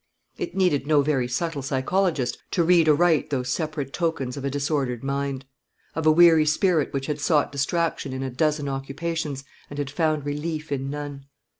It needed no very subtle psychologist to read aright those separate tokens of a disordered mind; of a weary spirit which had sought distraction in a dozen occupations, and had found relief in none.